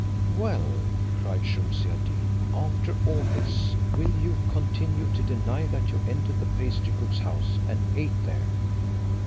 "Well," cried Shumse ad Deen, "after all this, will you continue to deny that you entered the pastry cook's house, and ate there?"